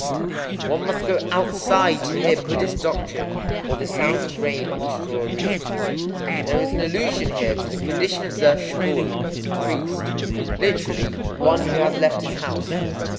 _ One must go outside to hear Buddhist doctrine or the sound of rain on a straw roof. There is an allusion here to the condition of the shukké (priest): literally, "one who has left his house."